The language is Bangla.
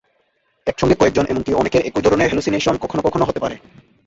একসঙ্গে কয়েকজন এমনকি অনেকের একই ধরনের হ্যালুসিনেশন কখনো কখনো হতে পারে।